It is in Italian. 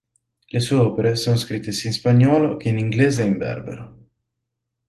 Le sue opere sono scritte sia in spagnolo che in inglese e in berbero.